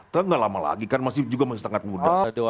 tidak lama lagi kan masih juga masih sangat muda